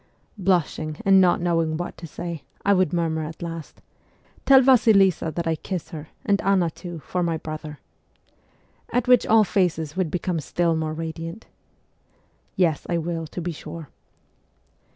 Blushing and not knowing what to say, I would murmur at last, ' Tell Vasilisa that I kiss her, and Anna too, for my brother.' At which all faces would become still more radiant. * Yes, I will, to be sure.'